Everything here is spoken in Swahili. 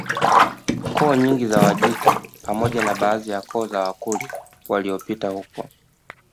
Koo nyingi za Wajita pamoja na baadhi ya koo za Wakurya walipita huko